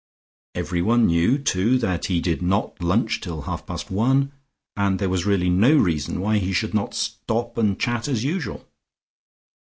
Everyone knew, too, that he did not lunch till half past one, and there was really no reason why he should not stop and chat as usual.